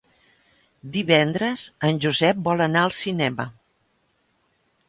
Divendres en Josep vol anar al cinema.